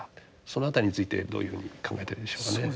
その辺りについてどういうふうに考えているでしょうかね。